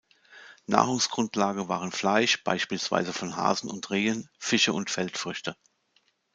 Nahrungsgrundlage waren Fleisch, beispielsweise von Hasen und Rehen, Fische und Feldfrüchte.